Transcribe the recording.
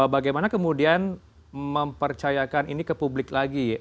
bagaimana kemudian mempercayakan ini ke publik lagi